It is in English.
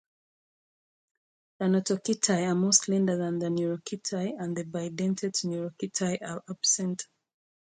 The notochaetae are more slender than the neurochaetae and bidentate neurochaetae are absent.